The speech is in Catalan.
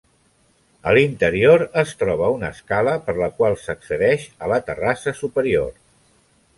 A l'interior es troba una escala per la qual s'accedeix a la terrassa superior.